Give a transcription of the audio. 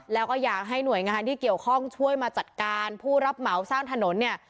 แล้วก็อยากให้หน่วยงานที่เกี่ยวข้องช่วยมาจัดการผู้รับเหมาสร้างถนนเนี่ย